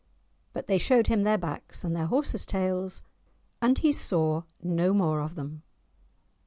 But they showed him their backs, and their horses's tails, and he saw no more of them.